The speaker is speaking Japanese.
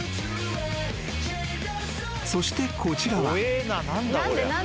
［そしてこちらは］